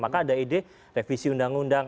maka ada ide revisi undang undang